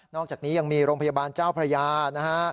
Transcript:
อกจากนี้ยังมีโรงพยาบาลเจ้าพระยานะฮะ